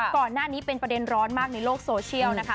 ก่อนหน้านี้เป็นประเด็นร้อนมากในโลกโซเชียลนะคะ